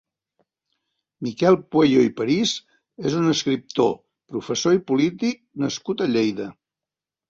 Miquel Pueyo i París és un escriptor, professor i polític nascut a Lleida.